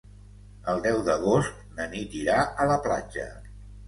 El deu d'agost na Nit irà a la platja.